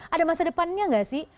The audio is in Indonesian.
ada masa depannya nggak sih